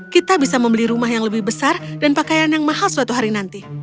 kita bisa membeli rumah yang lebih besar dan pakaian yang mahal suatu hari nanti